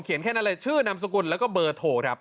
แค่นั้นเลยชื่อนามสกุลแล้วก็เบอร์โทรครับ